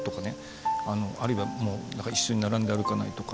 あるいはもう一緒に並んで歩かないとか。